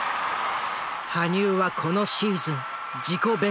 羽生はこのシーズン自己